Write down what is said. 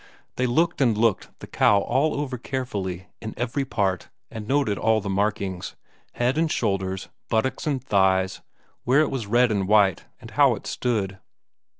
They looked and looked the cow all over carefully, in every part, and noted all the markings, head and shoulders, buttocks and thighs, where it was red and white, and how it stood.